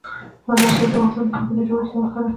مزارشریف د افغانستان د ځمکې د جوړښت یوه ښه نښه ده.